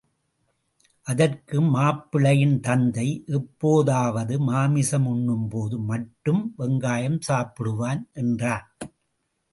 அதற்கு மாப்பிள்ளையின் தந்தை, எப்போதாவது மாமிசம் உண்ணும்போது மட்டும் வெங்காயம் சாப்பிடுவான் என்றான்.